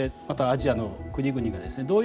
またアジアの国々がですね